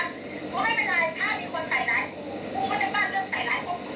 ผมอยู่ไม่เจอหน้าข่าวที่หน้าบ้านผมอยู่ที่ฟุตเลยผมจะไปเจอหน้าข่าว